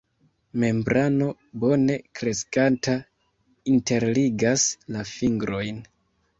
Membrano bone kreskanta interligas la fingrojn.